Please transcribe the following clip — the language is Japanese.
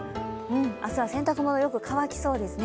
明日は洗濯物、よく乾きそうですね。